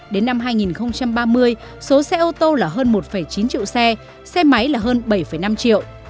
đến năm hai nghìn ba mươi số xe ô tô là hơn một chín triệu xe xe máy là hơn bảy năm triệu